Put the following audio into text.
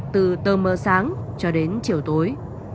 từ tơ mơ sáng cho đến chiều tối